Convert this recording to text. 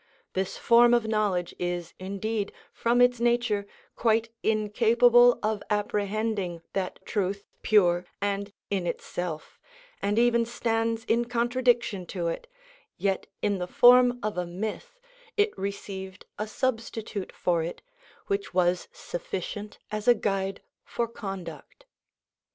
This form of knowledge is indeed, from its nature, quite incapable of apprehending that truth pure and in itself, and even stands in contradiction to it, yet in the form of a myth it received a substitute for it which was sufficient as a guide for conduct.